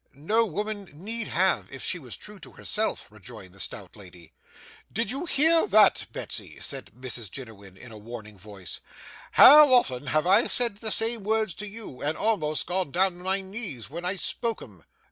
'No woman need have, if she was true to herself,' rejoined the stout lady. 'Do you hear that, Betsy?' said Mrs Jiniwin, in a warning voice. 'How often have I said the same words to you, and almost gone down my knees when I spoke 'em!